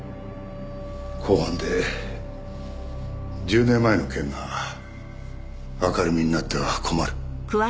公判で１０年前の件が明るみになっては困る。